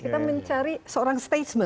kita mencari seorang statesman